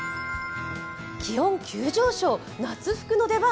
気温急上昇、夏服の出番。